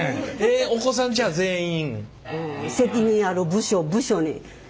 お子さんじゃあ全員。